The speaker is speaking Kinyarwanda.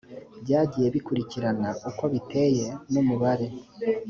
byagiye bikurikirana uko biteye n umubare